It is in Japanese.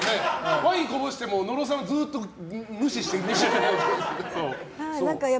ワインこぼしても野呂さんがずっと無視して飯食うから。